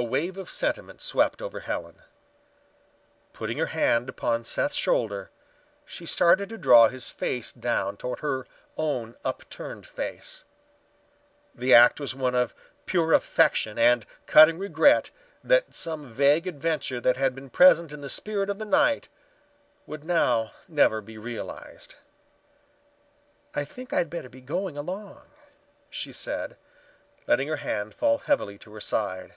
A wave of sentiment swept over Helen. Putting her hand upon Seth's shoulder, she started to draw his face down toward her own upturned face. The act was one of pure affection and cutting regret that some vague adventure that had been present in the spirit of the night would now never be realized. "I think I'd better be going along," she said, letting her hand fall heavily to her side.